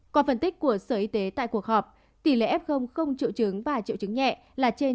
còn phân tích của sở y tế tại cuộc họp tỷ lệ f không triệu chứng và triệu chứng nhẹ là trên chín mươi